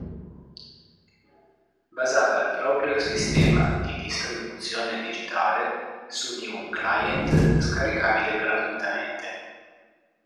Basava il proprio sistema di distribuzione digitale su di un Client scaricabile gratuitamente.